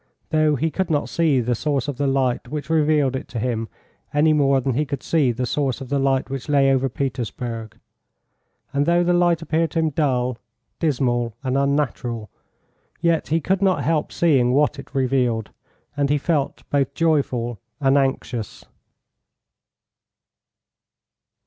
Though he could not see the source of the light which revealed it to him any more than he could see the source of the light which lay over Petersburg; and though the light appeared to him dull, dismal, and unnatural, yet he could not help seeing what it revealed, and he felt both joyful and anxious.